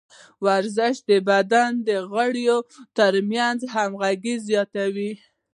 ورزش د بدن د غړو ترمنځ همغږي زیاتوي.